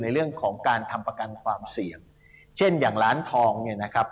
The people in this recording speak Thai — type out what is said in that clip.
ในเรื่องของการทำประกันความเสี่ยงเช่นอย่างร้านทองเนี่ยนะครับ